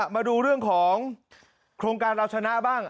มาดูเรื่องของโครงการเราชนะบ้าง